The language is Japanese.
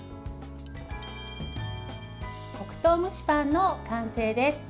黒糖蒸しパンの完成です。